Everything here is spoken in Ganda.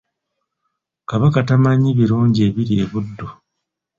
Kabaka tamanyi birungi ebiri e Buddu.